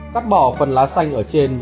cắt bỏ phần lá xanh ở trên